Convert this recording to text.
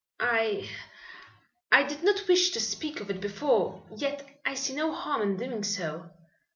I I did not wish to speak of it before, yet I see no harm in doing so.